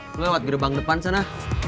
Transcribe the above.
ini lewat gerbang depan sana